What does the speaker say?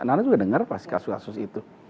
nana juga dengar pasti kasus kasus itu